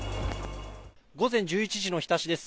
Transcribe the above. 午前１１時の日田市です。